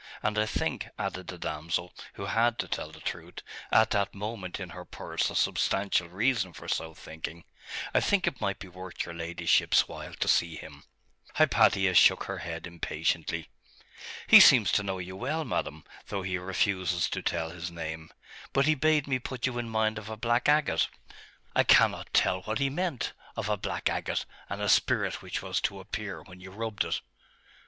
And I think,' added the damsel, who had, to tell the truth, at that moment in her purse a substantial reason for so thinking 'I think it might be worth your ladyship's while to see him.' Hypatia shook her head impatiently. 'He seems to know you well, madam, though he refuses to tell his name: but he bade me put you in mind of a black agate I cannot tell what he meant of a black agate, and a spirit which was to appear when you rubbed it.